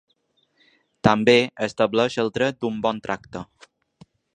També estableix el dret d’un bon tracte.